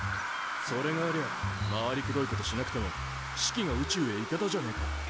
それがありゃ回りくどいことしなくてもシキが宇宙へ行けたじゃねえか。